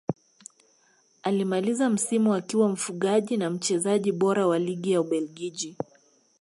Alimaliza msimu akiwa mfungaji na mchezaji bora wa ligi ya ubelgiji